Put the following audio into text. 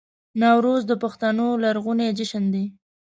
نوروز د پښتنو لرغونی جشن دی